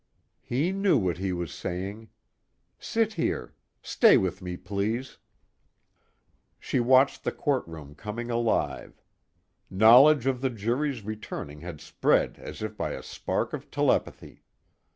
"He knew what he was saying. Sit here. Stay with me, please." She watched the courtroom coming alive. Knowledge of the jury's returning had spread as if by a spark of telepathy.